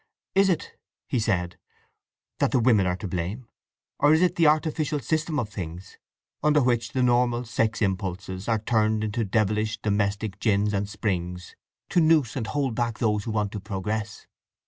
"Is it," he said, "that the women are to blame; or is it the artificial system of things, under which the normal sex impulses are turned into devilish domestic gins and springs to noose and hold back those who want to progress?"